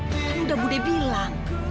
kamu udah budde bilang